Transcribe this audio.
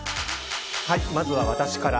まずは私から。